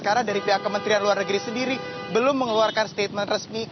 karena dari pihak kementerian luar negeri sendiri belum mengeluarkan statement resmi